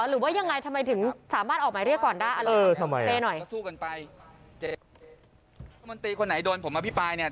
หรือว่ายังไงทำไมถึงสามารถออกหมายเรียกก่อนได้อะไร